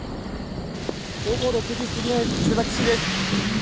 午後６時過ぎの伊勢崎市です。